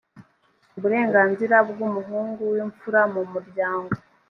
uburenganzira bw’umuhungu w’imfura mu muryango